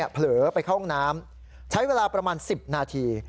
เผลอไปเข้าห้องน้ำใช้เวลาประมาณ๑๐นาที